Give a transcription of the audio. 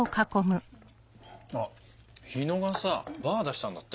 あっ日野がさバー出したんだって。